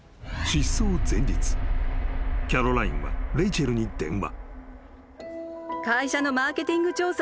［キャロラインはレイチェルに電話］